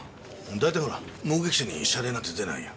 だいたいほら目撃者に謝礼なんて出ないよ。